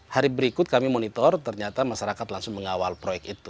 hari berikut kami monitor ternyata masyarakat langsung mengawal proyek itu